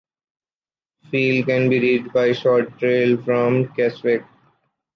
Fell can be reached by a short trail from Keswick.